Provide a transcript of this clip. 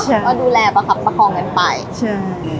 เราดูแลประคับประคองกันไปใช่